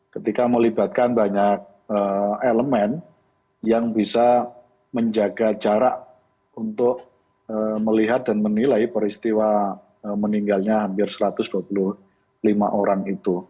ketika melibatkan banyak elemen yang bisa menjaga jarak untuk melihat dan menilai peristiwa meninggalnya hampir satu ratus dua puluh lima orang itu